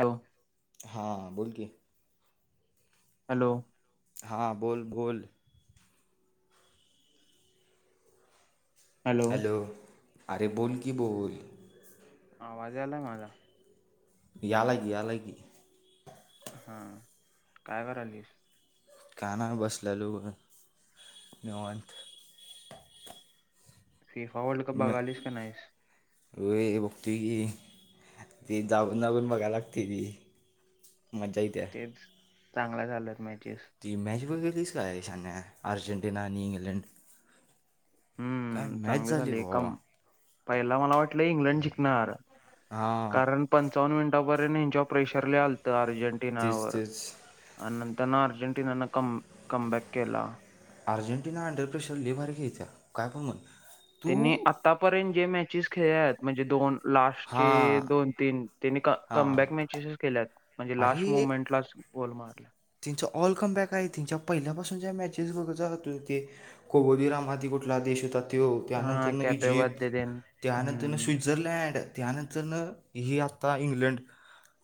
हो हां बोल क हॅलो हां बोल बोल हॅलो अरे बोल की बोल आवाज आलाय माझा यालाग यालाकी हा काय करालस कना बसले लो जेव फिफा वर्ल्ड कप बघालीस का नाहीस र बघती गी ती जागून जाऊून मघा लागते ती मजा य त्या तेच चांगला झाल्यात मॅचेस ती मॅच बघितल्यास काय श्यान्या अर्जेंटिना आणि इंग्लंड काय हम्म मॅच चांगली झाली झाले एक भावा काम पहिला मला वाटलं इंग्लंड जिकणार हा पंचावन्न मिनिटापर्यंत यांच्यावर प्रेशर ल आलत तेच अर्जेंटिनावर तेच आणि नंतर ना अर्जेंटिना न कम कमबॅक केला अर्जेंटिना अंडरप्रेशर लेबर घ्यायचा काय पण मण त्यांनी आतापर्यंत जे मॅचेस खेळले आहेत म्हणजे दोन लास्टचे हां दोन तीन त्यांने हां कमबॅक मॅचेसच केल्यात म्हणजे लास्ट मुवमेंट लाच गोल मारला तिच्या ऑलकम बॅक आहे तेिच्या पहिल्यापासून ज्या मॅचेस बघायच ते कोबोदिरामदी कुठला देश होता त्यो हा त्यानंतर कॅपे इजिप्त वरते तेन त्यानंतर हम्म स्विझर्लंड ्लंड त्यानंतर ही आता इंग्लंड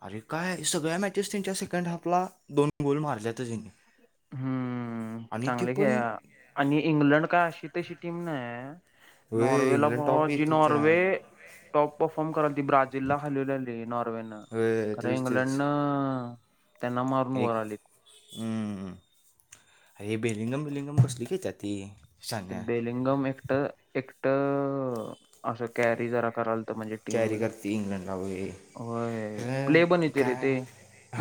अरे काय सगळ्या मॅचेस त्यांच्या सेकंड हाफला दोन गोल मारल्यातच हेनी चांगली खेळल्या आणि इंग्लंड काय अशी तशी टीम नाही होय नॉर्वेला इंग्लंड भा टॉप जी येते त्या नॉर्वे टॉप परफॉर्म करालती ब्रा जिल्हा हालीवलेली नॉर्वेनं होय खर तेच तेच इंग्लंड न त्यांना मारून वर आलीत हम्मम हे बेलिंगम बिलिंगम कसली खेळत्यात ती ते शान्या बेलिंगम एकट एकट असं कॅरी जरा करालत म्हणजे कॅरी टीमला करते इंग्लंडला वैगरे होय प्ले पण अ येते रे काय ते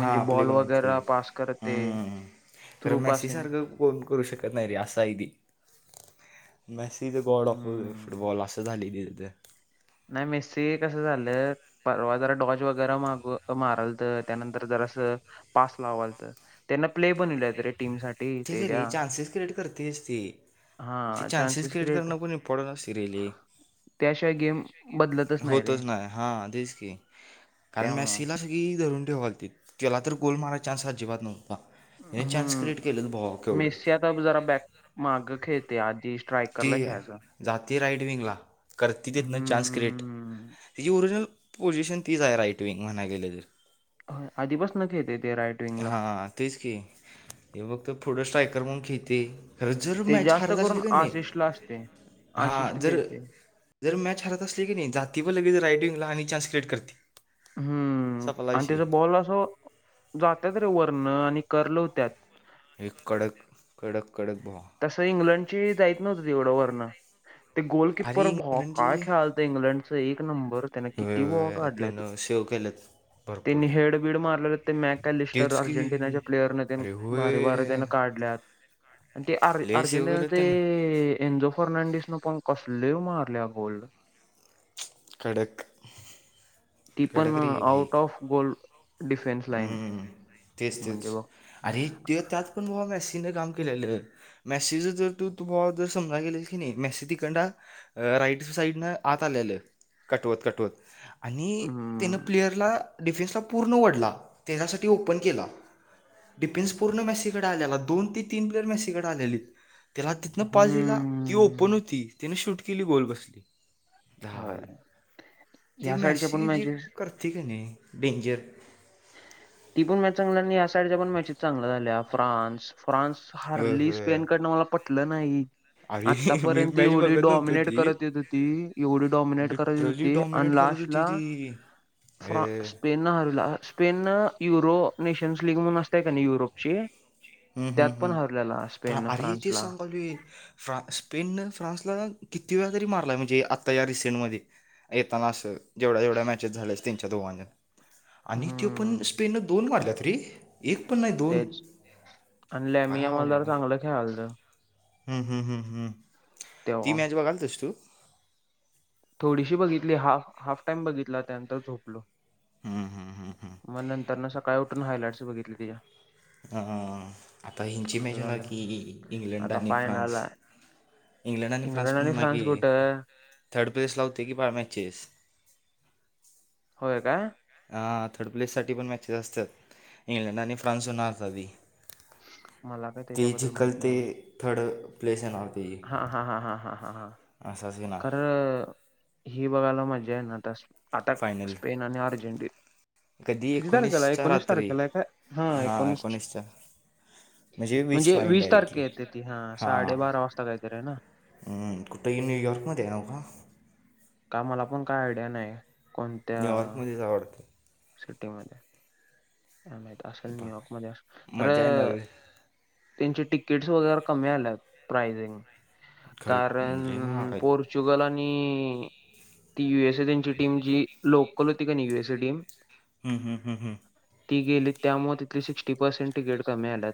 हा आपले बॉल बनायचे वगैरे पास करते हम्म खरं थ्रू मॅसी पासिंग सारखं कोन करू शकत नाही रे अस आहे ते Messi the god of hmm football अस झालय इथ नाही मॅसी कसं झालं परवा जरा डॉज वगैरे माग मारालत तर त्यानंतर जरासं पास लावालत त्यांना प्ले बनविल्यात रे टीम साठी तेच रे चान्सेस क्रिएट करतयच ते ते चान्सेस क्रिएट करंन पण इम्पॉर्टंट असतय रे लई त्याशिवाय गेम बदलतच रे होतच नाही हा तेच की कारण त्यामुळं मॅसी लाच ती धरून ठेवालती त्याला तर गोल मारयचा चान्स अजिबात नव्हता चान्स क्रिएट केला केलं भावा केवढं ज बॅक माग खेळते आधी ती स्ट्रायकरला खेळायचा जाते राईटविंगला करते देत नाही चान्स क्रिएट हम्म तेची ओरिजिनल पोझिशन तीच आहे राईट विंग म्हणायला गेलं तर आधीपासून खेळतय ते राईट विंगला हा तेच की हे फक्त पुढं स्ट्रायकर म्हणून खेळतय खर जर ते मॅच जास्त हारत करून असली का नाही आशिषला असते आशिष हां जर देते जर मॅच हरत असली की नाही जातय बघ लगेच राईट विंगला आणि चान्स क्रिएट करतय हम्म आणि त्याच बॉल असं जात्यात रे वरनं आणि कर्ल होत्यात एक कडक कडक कडक भावा तसं इंग्लंडची जाईत नव्हतीत एवढं वरण ते अरे गोलकीपर भावा काय इंग्लंडची खेळालत इंग्लंडचा एक नंबर त्याने होय किती बॉल होय काढल्यात त्यानं सेव्ह केलेत भरपूर त्यांनी हेडबीड मारलेले ते मॅक कॅलिस्टर तेच की अर्जेंटिनाच्या प्लेयरन तेन अरे भारी भारी होय त्यान काढल्यात आणि ते अर् लय सेव्ह केलं अर्जेंटिनाचे त्यानं एनझो फर्नांडीस न पण कसले मारल्यात गोल कडक ती पण कडक रे भाई out of goal defence line हम्म तेच तेच म्हणजे बघ अरे ते त्यात पण भावा मॅसीने काम केलेलं मॅसीच जर तू तु भावा जर समजायला गेले की नाही मॅसी तिकंडन राईट साईडनं आत आलेलं कटवत कटवत आणि, त्यानं हम्म प्लेयरला,, डिफेन्सला पूर्ण ओढला, त्याच्यासाठी ओपन केला. डिफेन्स पूर्ण मेसीकडं आलेला, दोन ते तीन प्लेअर मसीकडे आलेलीत. त्याला तिथनं पास दिला, ती ओपन हम्म होती, तिने शूट केली गोलबसली. होय,, ह्या साईडच्या पण मॅचेस,, ती कनी डेंजर ती पण मॅच चांगली आणि या साईडच्या पण मॅचेस चांगल्या झाल्या फ्रान्स फ्रान्स हारली डेंजर स्पेन कडनं मला पटलं नाही अरे मी आतापर्यंत मॅच एवढी बघत नव्हतो डॉमिनेट ती करत येत होती एवढी डॉमिनेट करत येत होती आणि last तीती [unintelligible] फ्रान Spain [unintelligible] स्पेनं, Euro, nations league म्हणून असतय का नाही, युरोपचीऽ हम् हम् हम्म,,, आरे इ तेच फ्रान्सला सांगालोय. हां, स्पेननं फ्रान्सला, किती वेळा तरी मारलाय, म्हणजे आता या,, रिसेंटमध्ये. येताना असं, जेवढ्या जेवढ्या मॅचेस झाल्या, स तनच्या दोघांच्याऽ आणि ते पण, हम्म स्पेन न दोन वाढल्यात रे, एक पण नाही दोन. तेच आणि लॅ मी काय आम्हाला जरा चांगलं खेळालतं. हम् हम्, हम् ह्. ती तेव्हा मॅच बघाल तस तू? थोडीशी बघितली हाफ, हाफ टाइम बघितला, त्यानंतर झोपलो. हम्म हम्म हम्म मग नंतर नं सकाळी उठून हायलाइट्स बघितली, तिच्याऽ अ,, आता हंची मॅच असं हुनार झालं की,, इंग्लंड आता आणि फायनल फ्रान्स. इंग्लंड आणि फ्रान्स पण ना की,, थर्ड प्लेस ला वुते की बाळ मॅचेस. होय काय, हा थर्ड प्लेससाठी पण मॅचेस असत्यात,, इंग्लंड आणि फ्रान्स होणार आधी. मला काय ते त्याच्याबद्दल माहित जिकल नाही ते ऐवढं. थर्ड, प्लेस ऐनार तची. हा हां हां ह ह ह... खंर, ही बघायला मज्जा आहे ना, तसऽ अताक, फायनल स्पेन आणि अर्जेंटीन. कधी, एकोणीसच्या रात्री,, तारखेला आहे काय हा, एकोणीस एकोणीसच्या. म्हणजे वीसला वीस ईनडयरेक्टली, तारखे येते ती हा हां,, साडेबारा वाजता काहीतरी आहे ना हं,, कुठं ही न्यूयॉर्कमध्ये आहे नाव का? का मला पण काय आयडिया नाही. कोणत्या न्यूयॉर्कमध्येच आय वाढतं सिटीमध्ये, काय माहीत, असल, न्यूयॉर्क बघा मध्ये असल,, मजा खरंऽ येणार त्यांची तिकीट्स वगैरे कमी आल्यात, प्राईसिंग, खरंच म्हणजे कारण महाग आहे पऽ र्चुगल आणि, ती युएस ए त्यांची टीम जी, लोकल होती क नै युएस ए टीम. हम् ह्ं ह्ं हं,, ती गेली त्यामुळ तिथली सिक्स्टी पर्सेंट तिकीट कमी आल्यात,,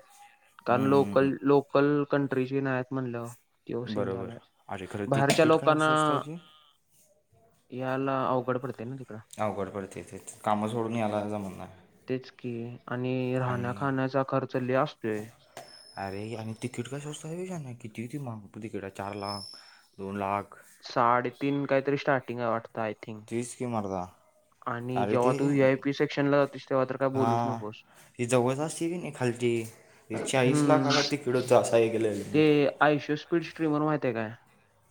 कारण हम्म. लोकल लोकऽ कल कंट्रीची नाहीयत म्हणल्यावऽ तवसीन बरोबर झालाय, अरे खरं ती बाहेरच्या तिकीट काय स्वस्त लोकांनाऽ आहे की याला, अवघड पडतेय नाई तिकडं. अवघड पडतय तेच, कामं सोडून याला जमना. तेच की, आणि, राहण्या खाण्याचा खर्च लय असतोय. अरे आणि, तिकीट काय स्वस्त आय वय शान्या,, किती ते माग तिकीटं, चार लाखऽ दोन लाख. साडेतीन काहीतरी स्टार्टिंग हाय वाटतं, आय थिंक. तीज क मरदा. आणि जेव्हा तू वू आय पी सेक्शन ला जातोस, तेव्हा तर काय बोलूच हां नकोस, ही जबरदस्त हवी नाही खालची, चाळीस हम्म लाखाला तिकीड होत अस ऐकलेलं. मी. ते,, आयश स्पीडऽ ट्रिमर माहिती काय?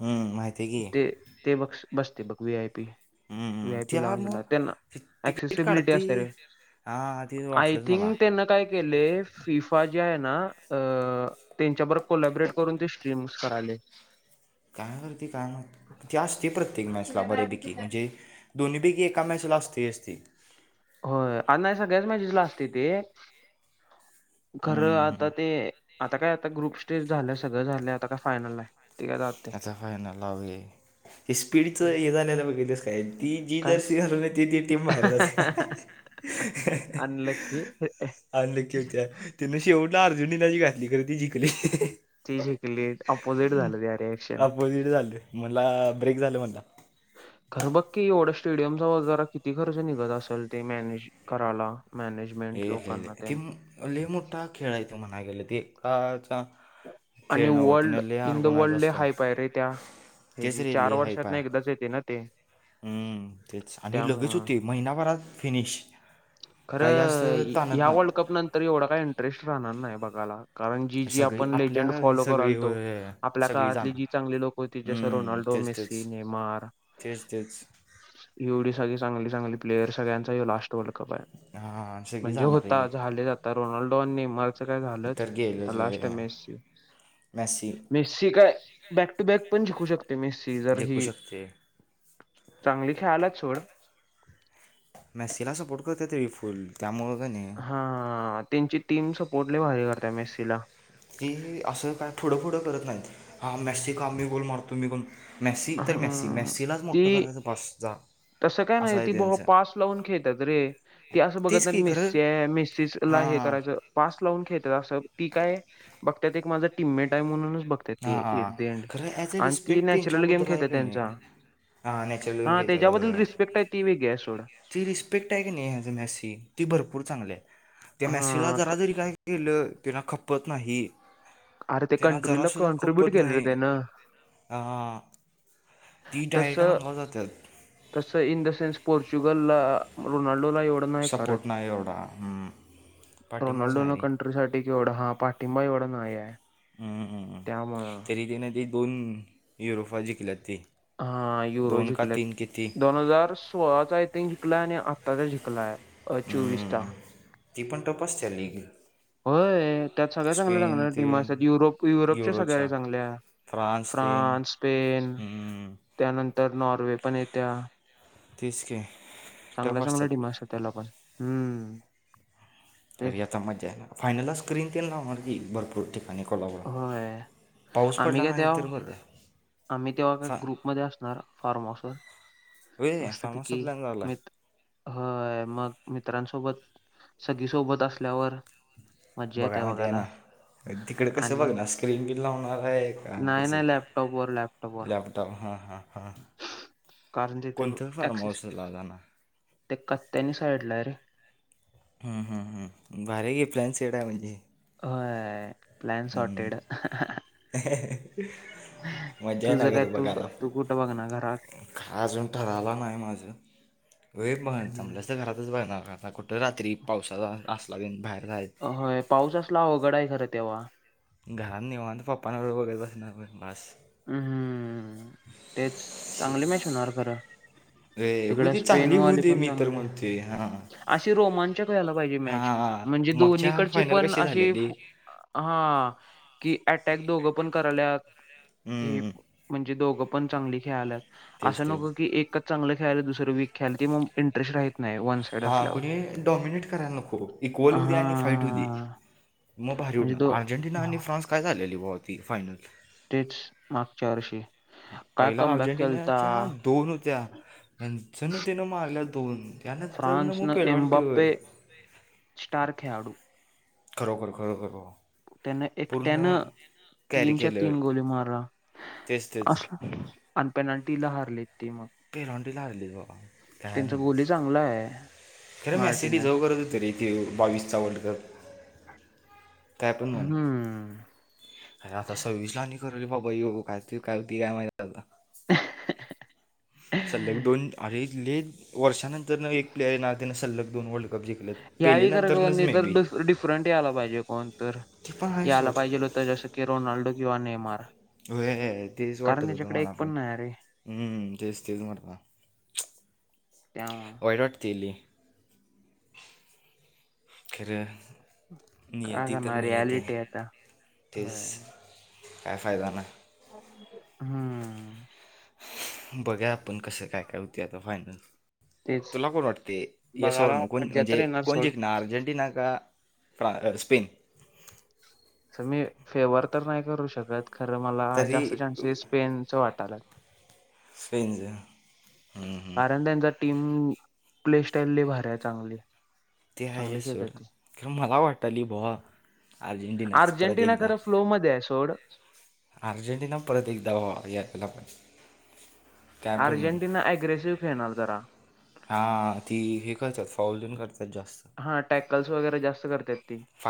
हं माहिती हायं ते की. ते बघ बश बसते बघ V I P hmm, V hmm. I P त्याला लॉन्च मग ला त्यांना ती- तिकीट एक्सेसिबिलिटी काढते असतीया काय हां ते आय वाटलंच मला थिंक त्यांना काय. गेले फिफा जे आहे ना अ त्यांच्याबरोर कोलॅबरेट करून ते स्ट्रीम्स करालेऽ का करती काय माहीत, ती अस ती प्रत्येक मॅचला बरेपैकी म्हणजेऽ दोन्हीैपैकी एका मॅचला असतयच ती. होय, नाही सगळ्याच मॅचेसला असतय ते, खरं हम्म, हम्म. आता तेऽ आता काय, आता ग्रुप स्टेज झालं सगळं झालं, आता का फायनल आहे, तेय जात तेऽ आता फायनल ला वय,, हे स्पीडचं हे जालेल बघीतल्यासऽ काय ती जी काय जर्सी घालून एत्या, ती टीम बाहेरच आसत्या. अनलक्की आणि नकी त्या तिन शेवटला अर्जुनीलाही घातली खर ती जिकली. ती जिकलीत अपोजिट झालं त्या रिएक्शन. अपोजिट झालं मला ब्रेक झालं म्हणला खरं बघ की एवढं स्टेडियमचा वगररा किती खर्च निघत असेल ते मॅनेज. कराला मॅनेज. हे लेले ते लयं मोठा खेळय तो म्हणायला गेले ते एकाचा. आणि वर्ल्ड इन द वर्ल्ड असतं हाय पाय आहे रे त्या हे तेच जी रे चार लय हाय वर्षातन पाय एकदाच येते ना ते. हम्म तेच आणि लगेच त्यामुळं हुती महिनाभरात फिनिश. काय जास्त खरं ताणत या वर्ल्ड नाही कप नंतर एवढा काय इंटरेस्ट राहणार नाही बघायला. कारण जी जी सगळी आपण आपल्या लेजंड ही फॉलो सगळी करायलतो होय, आपल्या सगळी काळातली जी जाणार चांगली लोक. होती जसं हम्म रोनाल्डो तेच तेच मेसी नेमार. तेच तेच. एवढी सग चांगली चांगली प्लेअर सगळ्यांचा यो लास्ट वर्ल्ड कप हायं. हां. सगळी म्हणजे जाणार होता आहे झाले आता रोनाल्डो नेमाळ सगळं झालचं तर आतां गेलंच लास्टयं होय. मेस्सी मॅसी मेसी सी काय बॅक टू बॅक पण जिकू शकते मेस्सी जर जिंकू ही शकते चांगली खेळाल्यात सोड. मेस्सीसिला सपोर्ट करत्यात तरी फुल त्यामुळं कणी हा तेंचि टीम सपोर्ट लयं भारी करतीय मेस्सीला. ती असं काय फुडं फुडं करत नाहीत हा मॅसी का मी गोल मारतो मी गोल मॅसी तर मॅसी हा मॅसीलाच ती मोठं करायचं बास जा तसं काय असं नाही आहे ती बाबा त्यांचं पास लावून खेळतात रे ती असं बघत तेच नाही की खरं मिसी हायं मेसीला हे हां करायचं पासं लावून खेळतात असं ती काय बघत्यात एक माझं टीममेट आहे म्हणूनच बघ हां बगत्याती हां एट देडं खरं ॲज अ आणि ती रिस्पेक्ट नॅचरल गेम त्यांच्याबद्दल आहे खेळतात का त्यांचा नाही हां नॅचरल गम हा तेच्याबदल घ्यायचा रिस्पेक्ट ती वेगळी आहे सोडं. ती रिस्पेक्ट आहे की नाही ऍज मॅसी ती भरपूर चांगलीयं. त्या म्यासीला हा क- जरा जरी काय केलं तिला खपत नाही. अरे ते त्यांना कंट्रीला कॉन्ट्र्रीब्युट केलं रे तेनं. आहा ती डायरेक्ट तसं अंगावर जात्यात. तसं इन द सेन्स पोर्चुगलला रोनाल्डोला एव सपोर्ट नाही आहे एवढा हं पाठिंबाच नाही रे री साठी एवढं हा पाठिंबा एवढा नाहीय हं हं तरी तेन ते दोन युरोपा जिंकल्यात ते हा युरो जिकल्यात दोन हजार सोळाचा आय थिंक जिंकलाय आणि आत्ताचा जिंकलाय अ चोवीसचा ती पण टफ असते लीग होय त्यात सगळ्या चांगल्या स्पेन चांगल्या ते टीम असतात युरोप युरोपच्या सगळ्या युरोच्या चांगल्या फ्रान्स स्पेन हम्म, त्यानंतर नॉर्वे पण येत्या तसक चांगल्या चांगल्या डिमाांड्स आहेत त्याला पण हम्म तेच तरी आता मज्जा आ ना फायनला स्क्रीन ते नावणारजी भरपूर ठिकाणी कोलावर होय. पाऊस आम्ही पडला काय नाही तर तेव्हा बघा. आम्ही तेव्हा का ग्रुपमध्ये असणार फार्माहाऊसवर. वे फार्माचा मस्तपिकी प्लॅन झाला मित आहे हय मग मित्रांसोबत सगी सोबत असल्यावर मज्जा बघाय येत्या माहितीय आहे बघायला ना तिकडं कसं आणि बघनारं स्क्रीन तेन लावणार आहे का कसं बघू लॅपटॉप वर. त हां हां हां. कारण दथ कोणतं फार्म एक्सस हाऊसला जाणार ते कत्त्यानी साईडला आहे रे भारी घेतलाय सेटप्लॅन्स येड आहे म्हणजे होय प्लान सॉ्टेड मजा ना तुझं काय करू तू बघायला तू कुठं बघणार घरात काा अजून ठरला नाही माझं हो पण हम्म. चांमलंस तर घरातच बरणारता कुठं रात्री पावसाचा असला दिन बाहेर जायच होय पाऊस असला अवघडा आहे खरं तेव्हा घरात निवन तर पप् नवर बैल बसणार बस हम्म हम्म तेच चांगली मॅच होणार खरं रे होऊ तिकडे दे स्पेन चांगली होऊ वाली दे पण मी तर चांगली म्हणते हा अशी रोमांचक व्हायला पाहिजे मॅच म्हणजे मागच्या दोन्हीकडची फायनल पण कशी अशी झालेली हा कि अटॅक दोघं पण करायल्यात हे हम्म, म्हणजे दोघ पण चांगली खेळा अस तेच नक तेच क एक चांगलं खळ दुसरं वी खळायल मग इंटरेस्ट राह नाही वनस हा कुणी डॉमिनेट कराला न खू इक्वल होऊ दे्या आणि फाईट होऊ दे हा मग बाहेारी म्हणजे उडणार तो अर्जेंटिना आणि फ्रान्स काय झालेली व होती फायनल तेच मागच्या वर्षी काय पहिला कमबॅक केलता अर्जेंटिनाच्या दोन होत्या नजन तिनं मारल्या दोन यानंतर न फ्रान्सनं मोफईल नटी एम्बाप्पे होईल स्टार खेळाडू खरोखर खरोखर बा त्यान एकट्यानं कॅरी तीनच्या केलं तीन गोली मारला तेच तेच अस अनपेनाल्टीला हारलेत ते मग पलॉंटी ला हारलीबाबा कायन त्यांचा गोली चांगला आहे खरं मॅ सिडी जाऊ मार्टिनस कर तू तरी कथे बावीसचा वर्ल्ड कप काय पण म्हन हम्म आता सर्विसला नि कर रे बाबा ये का का कामा सल्लग दोन अ इथले वर्षानंतर एक प्लेअर आहे ना त्यांना सल्लग दोन ओळख कब्ज केलेत यावी करा नाही तरड डिफरंट यायला पाहिजे कोण तर ते पण आहे यायला सोड पाहिजेल होतं जसं की रोनाल्डो किंवा नेमार हो तेच वाटत कारण होतं त्याच्याकडे एक मला पण नाही रे हम्म तेच तेच म्हरत त्याव्हा वऑरट केली खर काय नियती तर करणार नि यती रियालिटी आता होय तेच काय फायदा नाही हम्म बघा आपण कसं काय काय होते आता फायनल तेच तुला कोण वाटते बघायला यसवरन को मज्जा तर म्हणजे येणार कोण सोड जिक ना अर्जेंटिना का फ्रा स्पेन स मी फेवर तर नाही करू शकत खरं मला तरी जास्त चान्सेस पेन च वाटालं स्नज कारण त्यांचा टीम प्ले स्टालली भार आहे चांगली ते आहे चांगली खेळतात ती सोडि मला वाटली भवा आर्जेंटिना सपररा अर्जेंटिना देखदा खरं फ्लो मध्ये आहे सोड अर्जेंटिना परत एकदा व याला पण काय पण म्हण अर्जेंटिना अग्रेसिव्ह खेळणार जरा हा ती हे करतात फाऊल देून करतात जास्त हा टॅकल्स वगैरे जास्त करते ती